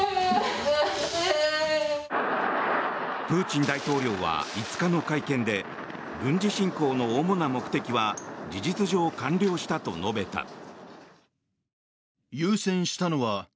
プーチン大統領は５日の会見で軍事侵攻の主な目的は事実上完了したと述べた。